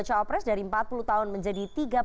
cawapres dari empat puluh tahun menjadi